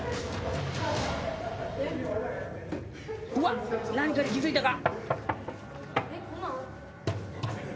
うわっ何かに気付いたか？